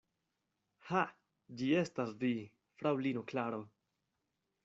Ha, ĝi estas vi, fraŭlino Klaro!